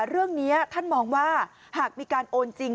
เรื่องนี้ท่านมองว่าหากมีการโอนจริง